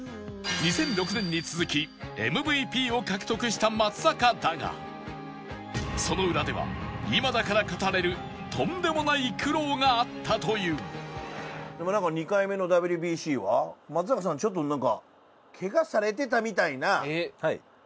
２００６年に続き ＭＶＰ を獲得した松坂だがその裏では今だから語れるとんでもない苦労があったというなんか２回目の ＷＢＣ は松坂さんちょっとなんか怪我されてたみたいな話が。